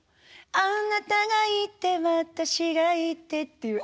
「あなたがいて私がいて」っていう。